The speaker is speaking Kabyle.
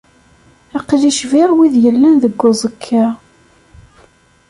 Aql-i cbiɣ wid yellan deg uẓekka.